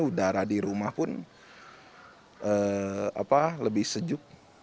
udara di rumah pun lebih sejuk